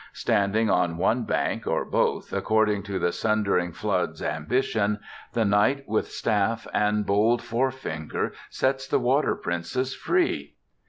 Standing on one bank or both, according to the sundering flood's ambition, the knight with staff and bold forefinger sets the water princess free.